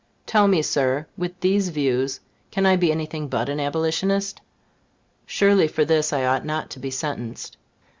Tell me, Sir, with these views, can I be any thing but an Abolitionist? Surely, for this I ought not to be sentenced.